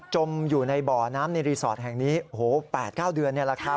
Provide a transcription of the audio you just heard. มอยู่ในบ่อน้ำในรีสอร์ทแห่งนี้๘๙เดือนนี่แหละครับ